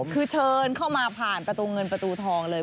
คือเชิญเข้ามาผ่านประตูเงินประตูทองเลย